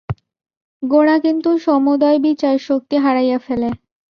গোঁড়া কিন্তু সমুদয় বিচার শক্তি হারাইয়া ফেলে।